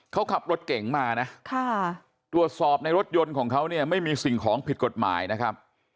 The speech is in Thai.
เขาขับรถเก่งมานะตรวจสอบในรถยนต์ของเขาเนี่ยไม่มีสิ่งของผิดกฎหมายนะครับ